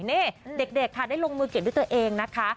นี่เด็กค่ะได้ลงมือเก็บด้วยตัวเองนะคะ